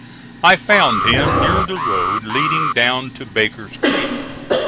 I found him near the road leading down to Baker's Creek.